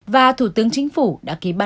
và thủ tướng chính phủ đã ký bản